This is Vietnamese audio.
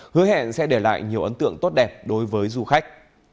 hứa hẹn sẽ để lại nhiều ấn tượng tốt đẹp đối với du khách